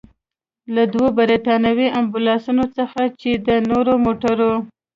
له دوو برتانوي امبولانسونو څخه، چې د نورو موټرو.